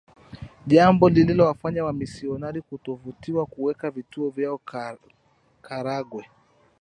Jambo lililofanya Wamisionari kutovutiwa kuweka vituo vyao Karagwe